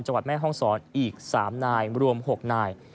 จังหวัดแม่ฮ่องศรอีก๓นายรวม๖นาย